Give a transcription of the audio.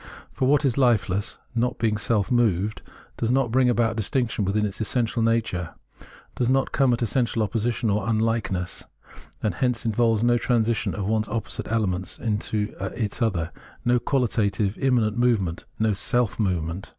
For what is hfeless, not being self moved, does not bring about distinction within its essential nature ; does not come at essential opposition or unlikeness ; and hence involves no transition of one opposite element into its other, no qualitative, immanent movement, no seZ/ movement.